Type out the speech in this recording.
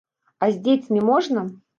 А з дзецьмі можна?